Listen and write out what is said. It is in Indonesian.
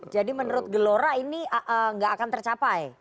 jadi menurut gelora ini gak akan tercapai